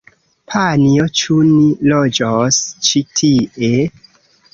Panjo, ĉu ni loĝos ĉi tie?